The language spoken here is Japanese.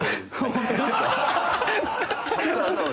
ホントですか？